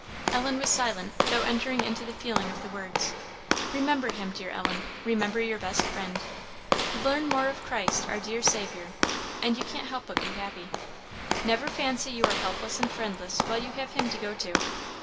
Ellen was silent, though entering into the feeling of the words. "Remember Him, dear Ellen; remember your best Friend. Learn more of Christ, our dear Saviour, and you can't help but be happy. Never fancy you are helpless and friendless while you have him to go to.